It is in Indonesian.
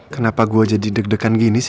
kenapa gue jadi deg degan gini sih